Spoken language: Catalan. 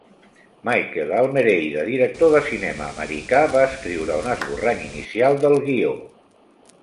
Michael Almereyda, director de cinema americà, va escriure un esborrany inicial del guió.